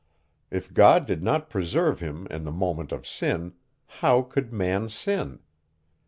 If God did not preserve him in the moment of sin, how could man sin?